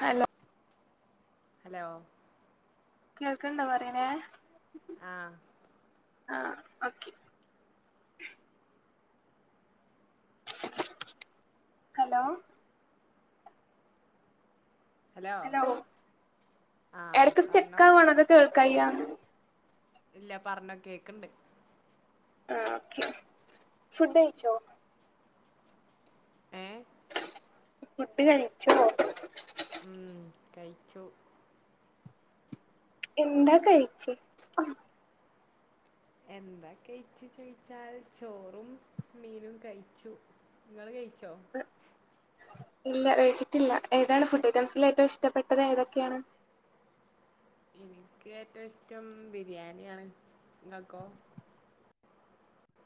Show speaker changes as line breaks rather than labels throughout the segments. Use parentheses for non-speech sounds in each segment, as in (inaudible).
Hello (inaudible)
(inaudible) hello (inaudible)
കേൾക്കണ്ടോ പറയണെ (inaudible)
ആഹ (inaudible)
ആഹ okay (inaudible) (unintelligible) hello (inaudible) hello
ആഹ്
ഇടക്ക്
പറഞ്ഞോ
സ്റ്റാക്ക് ആകണ് അതൊക്കെ കേൾക്കയ്യാ
ഇല്ല പറഞ്ഞോ കേക്കിണ്ട് (inaudible)
ആ ഓക്കെ ഫുഡ് കഴിച്ചോ (inaudible)
ഏഹ്
(inaudible) ഫുഡ് കഴിച്ചോ
ഉം കഴിച്ചു (inaudible)
എന്താ കഴിചേ
എന്താ കഴിച്ചു ചോദിച്ചാൽ ചോറും മീനും കഴിച്ചു നിങ്ങള് കഴി ച്ചോ (inaudible)
ഇല്ല കഴിച്ചിട്ടില്ല ഏതാണ് ഫുഡ് ഐറ്റംസിൽ ഏറ്റവും ഇഷ്ടപ്പെട്ടത് ഏതൊക്കെയാണ് (inaudible)
എനിക്ക് ഏറ്റവും ഇഷ്ടം ബിരിയാണിയാണ് നിങ്ങൾക്കോ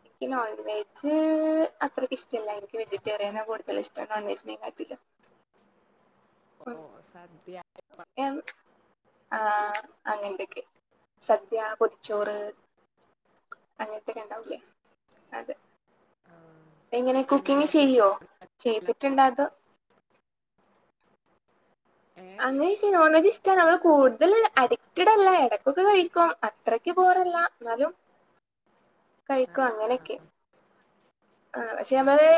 എനിക്ക് നോൺ വെജ് അത്രയ്ക്ക് ഇഷ്ടമല്ല എനിക്ക് വെജിറ്റേറിയനാ കൂടുതല് ഇഷ്ടം നോൺ വെജിനേ കാട്ടിലും ഉം
ഓ സദ്യ (unintelligible)
ആഹ അങ്ങെന്തൊക്കെ സദ്യ പൊതിച്ചോറ് അങ്ങനത്തൊക്കെ ഉണ്ടാവൂലേ അത് (inaudible) എങ്ങനെ
അതെന്താ
കുക്കിങ്
നോൺ
ചെയ്യോ ചെയ്തിട്ടുണ്ടോ അതോ
ഏഹ്
അങ്ങനെ ശരി ഇഷ്ട (unintelligible) കൂടുതൽ അഡിക്റ്റഡ് അല്ല ഇടക്കൊക്കെ കഴിക്കും അത്രക്ക് ബോറല്ല എന്നാലും കഴിക്കും
ആഹ്
അങ്ങനെയൊക്കെ ആ പക്ഷെ
ആഹ്
നമ്മള്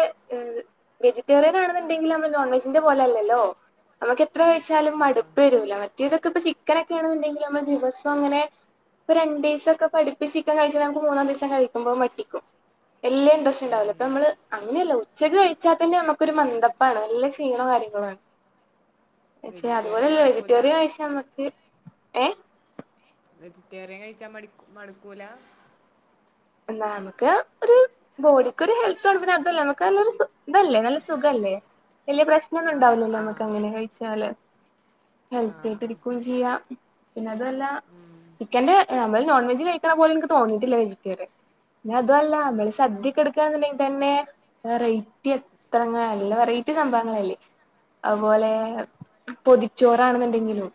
വെജിറ്റേറിയൻ ആണെന്നുണ്ടെങ്കിലിൽ നമ്മള് നോൺ വെജിന്റെ പോലെ അല്ലല്ലോ നമ്മക്ക് എത്ര കഴിച്ചാലും
ആഹ്
മടുപ്പ് വരൂല മറ്റേ ഇതൊക്കെ ഇപ്പ ചിക്കൻ ഒക്കെ ആണെന്നുണ്ടെങ്കിൽ നമ്മ ദിവസം അങ്ങനെ ഇപ്പോ രണ്ടു ദിവസം ഒക്കെ അടുപ്പിച്ച് ചിക്കൻ കഴിച്ചാ നമുക്ക് മൂന്നാം ദിവസം കഴിക്കുമ്പോ മടുക്കും വലിയ ഇന്ററ സ്റ്റ് ഇണ്ടാവില്ല
ഉം
അപ്പ നമ്മള് അങ്ങനെയല്ല ഉച്ചക്ക് കഴിച്ചാൽ തന്നെ നമ്മുക്കൊ ഒരു മന്ദപ്പാണ് നല്ല ക്ഷീണോ കാര്യങ്ങളോ ആണ് പക്ഷെ
വെജിറ്റേറിയൻ
അതുപോലെല്ല
മടുക്കൂല
വെജിറ്റേറിയൻ കഴിച്ച നമ്മക്ക് ഏ
വെജിറ്റേറിയൻ കഴിച്ചാ (unintelligible) മടക്കൂലാ
നമുക്ക് ഒരു ബോഡിക്ക് ഒരു ഹെൽത്ത് വേണം പിന്നെ അതല്ല നമുക്ക് നല്ലരു ഇതല്ലേ നല്ല സുഖല്ലേ വലിയ പ്രശ്നോന്നും
ആഹ്
ഉണ്ടാവില്ലല്ലോ നമക്ക്
ആഹ്
അങ്ങനെ കഴിച്ചാല് ഹെൽത്തി
ആഹ്
ആയിട്ടിരുക്കയും ചെയ്യാം പിന്നെ അതല്ല
ഉം
ചിക്കന്റെ നമ്മള് നോൺ വെജ് കഴിക്കണ പോലെ എനിക്ക് തോന്നിയിട്ടില്ല വെജിറ്റേറിയൻ ന്ന അതുംല്ല നമ്മള്
ആഹ്
സദ്യക്കെടുക്കാന്നുണ്ടെങ്കിൽ തന്നെ വെറൈറ്റി എത്രങ്ങ നല്ല വെറൈറ്റി സംഭവങ്ങളല്ലേ അതുപോലെ പൊതിച്ചോറാണെന്നുണ്ടെങ്കിലും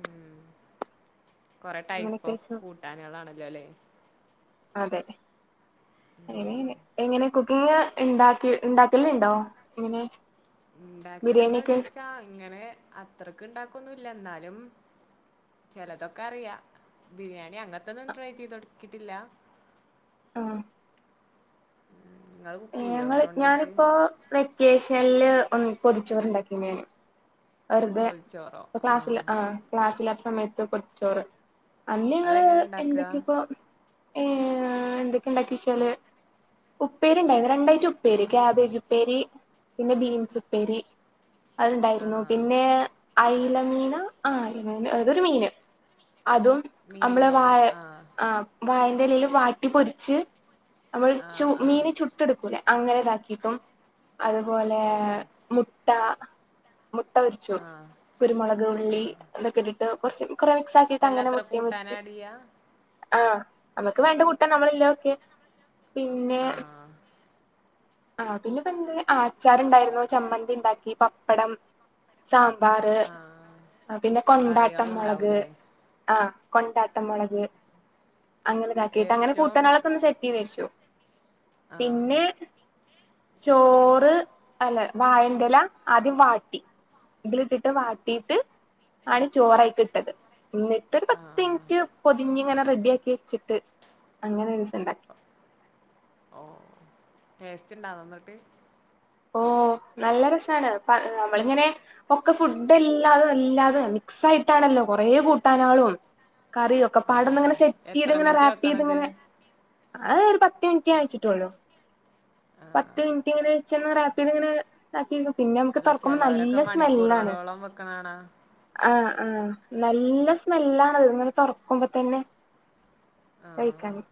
ഉം കൊറേ ടൈപ്പ്
അങ്ങനെയൊക്കെ
ഓഫ്
വെച്ച്
കൂട്ടാന്കളാണല്ലോ അല്ലേ
അതെ (unintelligible) എങ്ങനെ കുക്കിങ് ഇണ്ടാക്കി ഇണ്ടാക്കലുണ്ടോ ഇങ്ങനെ
ഉണ്ടാക്കലണ്ടോന്ന്
ബിരിയാണിയൊക്കെ
ചോദിച്ചാ ഇങ്ങനെ അത്രക്ക് ഉണ്ടാക്കൊന്നുമല്ല എന്നാലും ചെലതൊക്കെ അറിയാ ബിരിയാ ഏ അങ്ങാത്തന്ന ട്രൈ (unintelligible) കിട്ടില്ലാ
(unintelligible)
നിങ്ങൾ കുക്ക് ചെയ്യോ
ഞങ്ങള്
നോൺ വെജ്
ഞാനിപ്പോ വെക്കേഷ് (unintelligible) ഉം പൊതിച്ചോറുണ്ടാക്കി (unintelligible) വെറുതെ ഇപ്പ ക്ലാസ്സില് ആ ക്ലാസ്സില സമയത്ത് പൊതിച്ചോറ്
അതെങ്ങനെ
(unintelligible)
ഉണ്ടാക്കുക
എന്തൊക്കെയ ഇപ്പൊ (unintelligible) എന്തൊക്കെ ഉണ്ടാക്കിച്ചാല് ഉപ്പേരി ഉണ്ടായിരുന്നു രണ്ടായിട്ട് ഉപ്പേര് കാബേജ് ഉപ്പേരി പിന്നെ ബീൻസ് ഉപ്പേരി അത്
ആ
ഇണ്ടായിരുന്നു പിന്നെ അയിലമീനാ ആ (unintelligible) അതൊരു മീന് അതും നമ്മള് വ ആ (unintelligible) വാട്ടി പൊരിച്ച് നമ്മൾ
ആ
ചൂ
ആ
മീന് ചുട്ട് എടുക്കൂല്ലേ അങ്ങനെ ഇതാക്കി ഇപ്പം അതുപോലെ
ഓ
മുട്ടാ മുട്ട പൊരിച്ചു
ആ
കുരുമുളക്
ആ
ഉള്ളി ഇതൊക്കെ ഇട്ടിട്ട് കുറച്ച് കൊറേ മിക്സ് ആക്കിട്ട് അങ്ങനെ
ഇഷ്ടമല്ലാത്ര
മുട്ടയും പൊരിച്ചു
കൂട്ടാനാടിയ
ആ നമ്മക്ക് വേണ്ട കുട്ടാൻ നമ്മളെല്ലാർക്കേ പിന്നെ
ആ
ആ പിന്നെപ്പന്ത്‌ ആച്ചാറുണ്ടായിരുന്നു ചമ്മന്തി ഉണ്ടാക്കി പപ്പടം സാം മ്പാറ്
ആ
പിന്നെ കൊണ്ടാട്ടം
കറികളും
മൊളക്
ഉണ്ടാവൂലേ
ആ കൊണ്ടാട്ടമൊളക് അങ്ങനെതാക്കീട്ട് അങ്ങനെ
ഏറ്റവും
കൂട്ടാനോളൊക്ക ഒന്ന് സെറ്റ് ചെയ്ത് വച്ചു
ആ
പിന്നെ ചോറ് അല്ലെ വായെന്റെല ആദ്യം വാട്ടി. ഇതിലിട്ടിട്ട് വാട്ടിയിട്ട് ആണ് ചോറയിക്ക് ഇട്ടത്. എന്നിട്ടോരു പത്ത്
ആ
മിനിറ്റ് പൊതിഞ്ഞ് ഇങ്ങനെ റെഡി ആക്കി വെച്ചിട്ട് അങ്ങനെരൂസം ഉണ്ടാക്കി.
ഓ ടേസ്റ്റ് ഇണ്ടാ നന്നാട്ട്.
ഓ നല്ല രസമാണ് പ നമ്മളിങ്ങനെ ഒക്കെ ഫുഡ് എല്ലാതും എല്ലാതും മിക്സ് ആയിട്ടാണല്ലോ കൊറെ കൂട്ടാനു കളും. കറിഒക്കെ
ആ
പാടന്ന് ഇങ്ങനെ സെറ്റ് ചെയ്ത്
എത്ര
ഇങ്ങനെ
മിനിറ്റ്
റാപ്പ് ചെയ്ത്
വെക്കണത്
ഇങ്ങനെ. ആ ഒരു പത്ത് മിനിറ്റ് ഞാൻ വെച്ചിട്ടുള്ളു.
ആ
പത്ത് മിനിറ്റ് ഇങ്ങനെ ചെന്ന് റാപ്പ് ചെയ്തിങ്ങനെ ആക്കി വെക്കും. പിന്നെ നമുക്ക്
അല്ല
തുറക്കുമ്പോ നല്ല
ചിലവരൊക്കെ
സ്മെല്ലാണ്
മണിക്കൂറുകളോളം വെക്കണ കാണാം
ആ ആ നല്ല സ്മെല്ലാണത് ഇങ്ങനെ തുറക്കുമ്പോ തന്നെ.
ആ
കഴിക്കാന്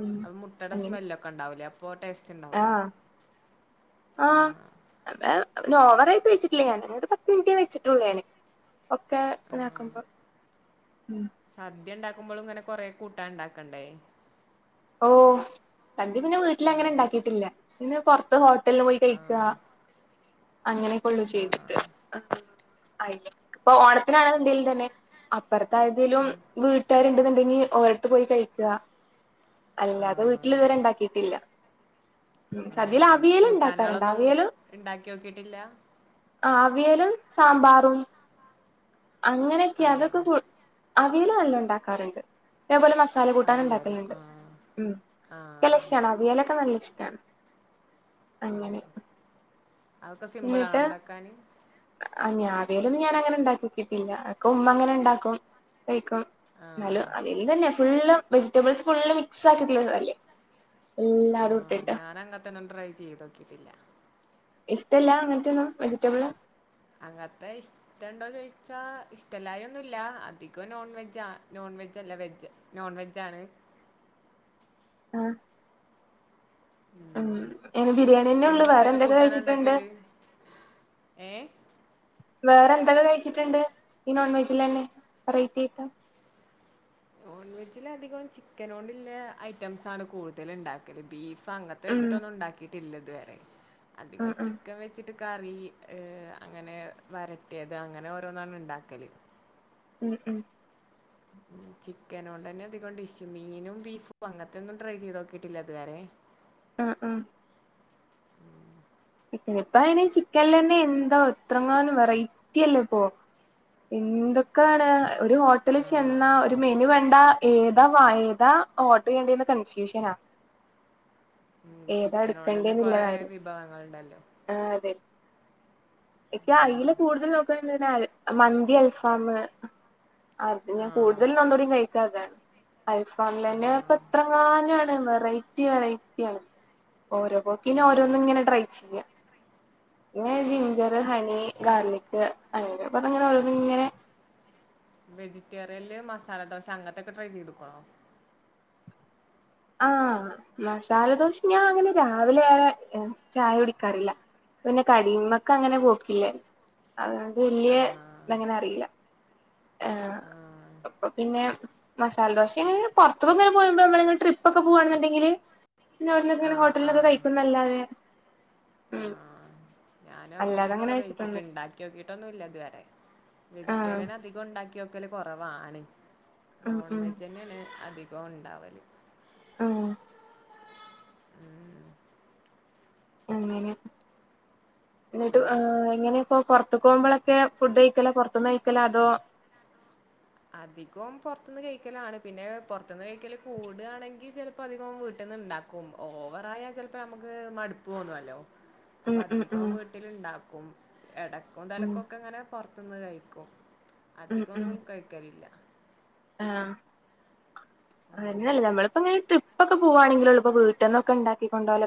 ഉം അങ്ങനെ.
അപ്പോ ടേസ്റ്റ് ഉണ്ടാകുവോ?
ആ (unintelligible) പിന്നെ ഓവറായിട്ട് വെച്ചിട്ടില്ല ഞാൻ ഒരു പത്ത് മിനിറ്റെ വെച്ചിട്ടുള്ളൂ ഞാന്. ഒക്കെ
ആ
നാക്കുമ്പം.
സദ്യ ഉണ്ടാക്കു ക്കുമ്പോളം ഇങ്ങനെ കൊറെ കൂട്ടാൻഉണ്ടാക്കണ്ടേ.
ഓ സദ്യ പിന്നെ വീട്ടിലങ്ങനെ ഉണ്ടാക്കിയിട്ടില്ല. പിന്നെ പുറത്ത് ഹോ ട്ടല് പോയി
ആ
കഴിക്കുക. അങ്ങനെക്കെയുള്ളൂ
ആ
ചെയ്തിട്ട്. ആയില്ലേ ഇപ്പം ഓണത്തിനാണെങ്കിലും തന്നെ അപ്പുറത്തേതെലും വീട്ടു കാര് ഉണ്ടുന്നുണ്ടെങ്കി ഇനി ഒരേടാത് പോയി കഴിക്കുക.
ആ
അല്ലാതെ വീട്ടിൽ ഇതുവരെ ഉണ്ടാക്കിട്ടില്ല. ഉം
ആ
സദ്യയേല് അവിയലുണ്ടാക്കാറുണ്ട് അവിയല്
ഇല്ല.
ആ ആവിയലും സാമ്പാറും. അങ്ങനെയൊക്കെ
ആ
അതൊക്കെ കു അവിയല് നല്ലോ ഉണ്ടാക്കാറുണ്ട് അതേപോലെ മസ് ചാല കൂട്ടാന്
അവിയലോ
ഉണ്ടാക്കുന്നുണ്ട്
ആ ആ
ഉക്ഷമാണ് അവിയലൊക്കെ നല്ല താ
ഓ
അങ്ങനെ
അതൊക്കെ സിംമ്പിൾണ ഉണ്ടാക്കാന്
ഞാവേല ഒന്നും ഞാനങ്ങന ഉണ്ടാക്കട്ടില്ല അക്ക ഉമ്മ അങ്ങനെ ഉണ്ടാക്കും കായ് ക്കും എന്നാലും
ആഹ്
അതി തന്നെ ഫുള്ള് വെജിറ്റബിൾസ് ഫുള്ള് മിക്സ് ആക്കിയിട്ടില്ലരുന്നല്ലേ എല്ലാ
ആഹ്
അറുംട്ടല്ല
ഞാനങ്ങത്തൊന്നും ട്രൈ ചെയ്തോക്കിട്ടില്ല
ഇഷ്ടല്ല അങ്ങനത്തൊന്നും വെജിറ്റബിള്
അങ്ങത്തെ ഇഷ്ടണ്ടോ ചോദിച്ചാ ഇഷ്ടല്ലായ ഒന്നുമല്ല അധികം നോൺ വെജ നോൺ വെജ് അല്ല വെജ് നോൺ വെജ ആാണ്
ആഹ് ആഹ്ആ ഉംഹ് ന് ബിരിയാണിന്നെ ഉള്ളു
ഇമ്മ
വേറെ എന്തൊക്കെ
കൂട്ടാനാ
കഴിച്ചിട്ടുണ്ട്
ഇണ്ടാക്കല്? ഏഹ്
വേറെന്ത ഇതൊക്കെ കഴിച്ചിട്ടുണ്ട് ഈ നോൺ വെജിൽ തന്നെ െറൈറ്റി ആയിക്കാം
നോൺവെജില അധികം ചിക്കൻ കൊണ്ടുള്ള ഐറ്റംസ ആാണ് കൂടുതല ഉണ്ടാക്കിയത് ബീഫ് സംഘത്തെ
ഉം
വെച്ചിട്ടൊന്നും ഒണ്ടാക്കി ല്ലതു വരെ
ഉം
അധികേം
ഉം
ചിക്കൻ വെച്ചിട്ട് കറി ഏ അങ്ങനെ വരട്ടിയത് അങ്ങനെ ഓരോന്നാണ് ഉണ്ടാക്കല്
ഉംഹ് ഉംഹ്
ഉ ചിക്കന കൊണ്ട് തന്നെ അധികൊണ്ട് ഇഷ മീനും ബീഫും അങ്ങത്തെ ഒന്നും ട്രൈ ചെയ്ത് നോക്കിയിട്ടില്ല അത്വരെ
ആഹ് ഉഹ
ഉംഹ്
ചിക്കൻ ഇപ്പ ആണെ ചിക്കനൽ തന്നെ എന്താ എത്രങ്ങൻ വെറൈറ്റി അല്ലോ ഇപ്പോൊ എന്തൊക്കെയാണ് ഒര്
ആ
ഹോട്ടലി ചെന്നാ ഒര് മെനു വേണ്ട ഏതാ വ ഏതാ ഓർഡർ ചെയ്യേണ്ടിുന്ന കൺഫ്യൂഷന
ഉം ചിക്കന കൊണ്ട് തന്നെ കൊറെ
കാര്യം
വിഭവങ്ങൾുണ്ട്
ആഹ് അതെ എക്ക അയിൽ കൂടുതൽ നോക്ക മന്തി അൽഫാം അെ
ആ
ഞാൻ കൂടുതലും നന്നുകൂടയും കഴിക്കാതാണ് ഐഫോണ
ആ
തന്നെ അപ്പൊ എത്ര കാനാണ് വെറൈറ്റി വെറൈറ്റി ആണ്
ആ
ഓരോക്കിന ഓരോന്നും ഇങ്ങനെ ട്രൈ പിന്നെ ജിഞ്ചറ് ഹനി ഗാർലിക് അങ്ങ അപ്പതെങ്ങനെ ഇങ്ങനെ
വെജിറ്റേറിയന്ല് മസാല ദോശ അങ്ങൻത്തൊക്കെ ട്രൈ ചെയ്ത്ക്കോ
ആ മസാലദോശ ഞാ അങ്ങനെ രാവിലെ ഏറെ ചായ കുടിക്കാറില്ല പിന്നെ കട്മക്കങ്ങനെ പോക്കില്ല അതാണ്
ആ
(unintelligible) ഇല്ല എയ്
ആ
അപ്പൊ പിന്നെ മസാല ദോശ ആണെങ്കിൽ പൊറത്തുന്ന് പോയി നമ്മളിങ്ങനെ ഡ്രിപ് പ്പൊക്കെ പോവാണെണ്ടെങ്കില്
ആ
പിന്നവിട്ന്ന്
ആ
ഹോട്ടലൊക്കെ കഴിക്കുന്നല്ലാതെ ഉം അല്ലാതെ അങ്ങനെ
അങ്ങനെത്തെന്നൊള്ളൂ കഴിച്ചിട്ട്
കഴിച്ചിട്ടൊന്നും
ണ്ടാക്കി നോക്കിട്ടൊന്നും ഇല്ല ഇതുവരെ
ആഹ്
വെജിറ്റേറിയൻ അധികം ഇണ്ടാക്കി ക്കല് കൊറവാണ്
ഉം
നോൺ
ഉം
വെജ്ന്നേണ് അധിക കോം ഇണ്ടാവല്
ആ
(inaudible)
അങ്ങനെ ന്നിട്ട് എങ്ങനെപ്പോറത്ത ത്തക്കോമ്പോളൊക്കെ ഫുഡ് കഴിക്കല പൊറത്ത്ന്ന് കഴിക്കല അതോ
അധികോം പൊറത്ത്ന്ന് കഴിക്കലാണ് പിന്നെ പൊറത്ത്ന്ന് കഴിക്കല് കൂടാണെങ്കിൽ ചെലപ്പോ അധികം വീട്ടിൽന്ന് ഇണ്ടാക്കും ഓവറയാാൽ ചെലപ്പോ നമ്മുക്ക് മടുപ്പ് തോന്നുന്നല്ലോ
ഉം
അ
ഉം ഉം
അധികം വീട്ടിൽ ഇണ്ടാക്കും എടക്കും
ഉം
തലക്കും ഒക്കെ ഇങ്ങനെ പൊറത്ത് റത്ത്ന്ന് കഴിക്കും അധികം ഒന്നും കഴ ഇല്ല
ആ അങ്ങനല്ല നമ്മളിപ്പോ ഇങ്ങനെ ട്രിപ്പൊക്കെ പോവാണെങ്കിലുള്ളൂ ഇപ്പൊ വീട്ട്ന്നൊക്കെ ഇണ്ടാക്കിക്കൊണ്ടോലൊ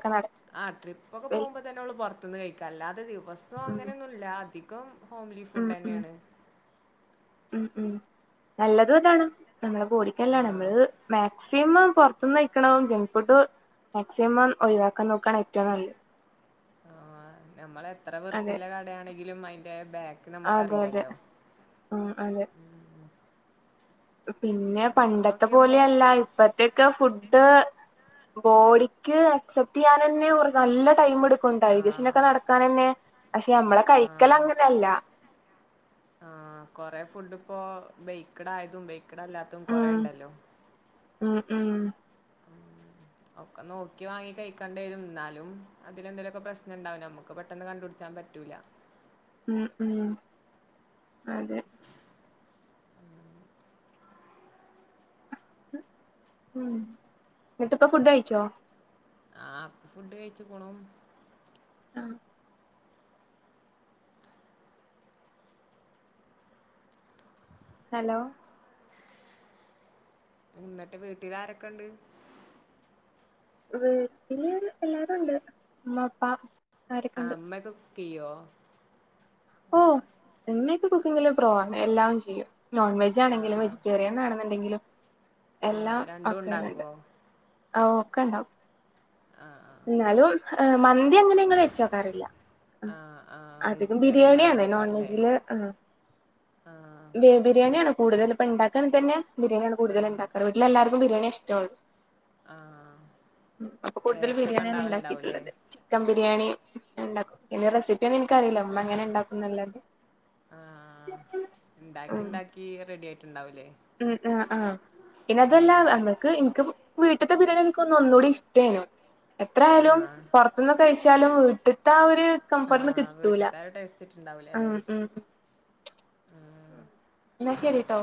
ആ ട്രിപ്പ് ഒക്കെ പോകുമ്പോ തന്നെ ഒള്ളൂ പൊറത്ത്ന്ന് കഴിക്കാ അല്ലാതെ ദിവസം
ഉം
അങ്ങനെയൊന്നുല്ല അധി കം ഹോംലി
ഉം ഉം
ഫുഡെന്നേണ്
ഉം ഉം നല്ലതും അതാണ് നമ്മളെ ബോഡിക്കല്ലാണ്
ആഹ്
നമ്മള് മാക്സിമം പൊറത്തു നിന്ന് കഴിക്കണ ജങ്ക് ഫുഡ് മാക്സിമം ഒഴിവാക്കാൻ നോക്കാണ് ഏറ്റവും നല്ലത്
ആ നമ്മള് എത്ര
അതെ
വൃത്തില്ല കടാണെങ്കിലും അയിന്റെ ബാക്ക്
അതെ അതെ
നമുക്ക്റിയില്ലല്ലോ
ഉം അതെ പിന്നെ പണ്ടത്തെ
നോക്കിയുമ്പോ
പോലെയല്ല ഇപ്പത്തെക്കെ ഫുഡ് ബോഡിക്ക് അക്സെപ്റ്റ് ചെയ്യാനെന്നെ ഒരു നല്ല ടൈം ഇടുക്ക
ആഹ്
(unintelligible) പക്ഷെ നമ്മളെ
ആഹ്
കഴിക്കലങ്ങനല്ല
പ്പൊ ബെയ്ക്ക്ടായതും ബെ ക്ക്ടല്ലാത്തത്തും
ഉം
കൊറേണ്ടല്ലോ
ഉം ഉം
ഉ ഒക്കെ നോക്കി വാങ്ങി കഴിക്കണ്ടി വരും ന്നാലും അതിലെന്തേലൊക്കെ പ്രശ്നണ്ടാവും നമ്മുക്ക് പെട്ടെന്ന് കണ്ടുപിടിച്ചാൻ പറ്റൂല
ഉം ഉം അതെ മ് എന്ന്ട്ടിപ്പ ഫുഡ്ഴിച്ചോ?
ആ ഫുഡ് കഴിച്ചുക്ക്ണു.
ആ ഹലോ
ന്ന്ട്ട് വീട്ടിലാരൊക്ക്‌ണ്ട്?
വീട്ടില് എല്ലാരുണ്ട്. ഉമ്മാ ഉപ്പാ
ആ ഇമ്മക്കെ കു ക്കിയ്യോ?
ഓ ഇമ്മയൊക്കെ കുക്കിങ്ങില് (unintelligible) എല്ലാം ചെയ്യും. നോൺവെജ്‌ജാണെങ്കിലും
ആഹ്
വെജ്റ്റെറിയൻ ആണെന്ന്ണ്ടെങ്കിലും എല്ലാ
ആഹ് രണ്ടും
അക്കാറ്ണ്ട്.
ഇണ്ടാക്കോ
ആ ഒക്കണ്ടാവും.
ആഹ്
എന്നാലും മന്തി അങ്ങനെങ്ങള് വെച്ചോക്കാറില്ല.
ആഹ് ആഹ് ആഹ്
അധികം
വെജിറ്റേറിയൻ
ബിയാണിയാണ് നോൺ
ആവോക്കാരല്ലേ
വെജില് ഏ
ആഹ്
ബി ബിരിയാണിയാണ്. കൂടുതലിപ്പ ഇണ്ടാക്ക്ണെ തന്നെ ബിരിയാണിയാണ്
ആഹ്
കൂടുതലിണ്ടാക്കാറ്. വീട്ടിലെല്ലാർക്കും ബിരിയാണിഇഷ് സ്റ്റോൾ
ആഹ്
അപ്പൊ കൂടുതൽ
ടേസ്റ്റ് ഒക്കെ
ബിരിയാണിയാണ്
ഇണ്ടാവല്ണ്ടാവുല്ലേ
ഉണ്ടാക്കിട്ടുള്ളത് ചിക്കൻ ബിരിയാണി ഇണ്ടാക്കും പിന്നെ റെസിപ്പിയൊന്നും എനിക്കറിയില്ല ഉമ്മ എങ്ങനെ ഉണ്ടാക്കുംന്നുള്ളത്.
ആഹ് ഇണ്ടാക്കി ഇണ്ടാക്കി റെഡി ആയിട്ട് ണ്ടാവു
ഉം ഉം അ അ ആ പിന്നതൊല്ല
ആഹ്
നമ്മക്ക് എനിക്ക് വീട്ട്ത്തബിരിയാണി എനിക്ക് ഒന്നൂടിഇഷ്ട്ടേനു എത്രയാലും
ആഹ്
പൊർത്ത്ന്ന് കഴ് ച്ചാലും വീട്ട്ത്താആഒ
ആഹഹ് വീട്ട്ത്തെ ആ ഒരുട്ടേസ്റ്റ്
ഉം
കിട്ടുണ്ടാവൂലാലെ.
ഉം എന്നാ ശരിട്ടോ